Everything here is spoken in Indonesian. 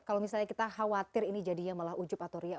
kalau misalnya kita khawatir ini jadinya malah ujub atau riak